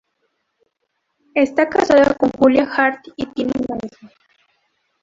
Está casado con Julia Hart y tiene una hija.